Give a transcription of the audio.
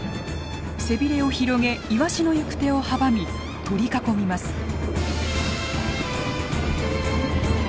背びれを広げイワシの行く手を阻み取り囲みます。